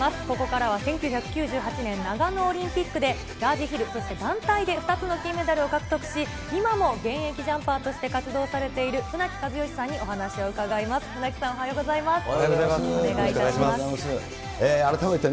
ここからは１９９８年長野オリンピックでラージヒル、そして団体で２つの金メダルを獲得し、今も現役ジャンパーとして活動されている船木かずよしさんにお話を伺います。